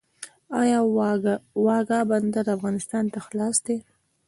آیا واګه بندر افغانستان ته خلاص دی؟